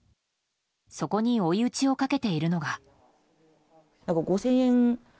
そこに追い打ちをかけているのが。